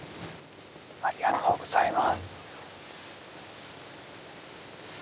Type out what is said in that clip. ありがとうございます。